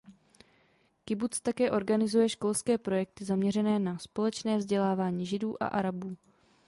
Kibuc také organizuje školské projekty zaměřené na společné vzdělávání Židů a Arabů.